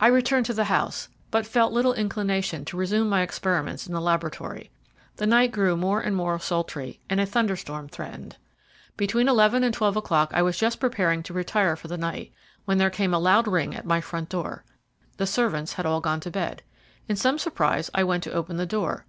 I returned to the house, but felt little inclination to resume my experiments in the laboratory. The night grew more and more sultry, and a thunderstorm threatened. Between eleven and twelve o'clock I was just preparing to retire for the night, when there came a loud ring at my front door. The servants had all gone to bed. In some surprise, I went to open the door.